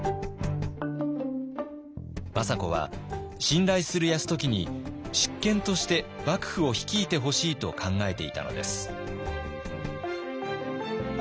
政子は信頼する泰時に執権として幕府を率いてほしいと考えていたのです。